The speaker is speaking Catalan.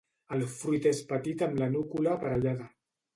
El fruit és petit amb la núcula aparellada.